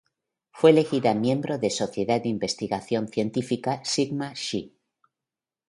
Fue elegida miembro de sociedad de investigación científica Sigma Xi.